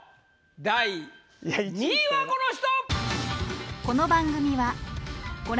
第２位はこの人！